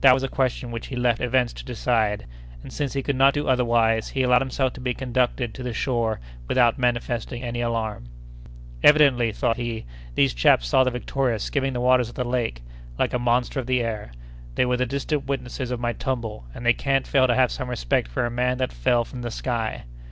That was a question which he left events to decide; and, since he could not do otherwise, he allowed himself to be conducted to the shore without manifesting any alarm. "Evidently," thought he, "these chaps saw the Victoria skimming the waters of the lake, like a monster of the air. They were the distant witnesses of my tumble, and they can't fail to have some respect for a man that fell from the sky!